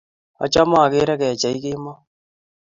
Achame akere kecheik kemoi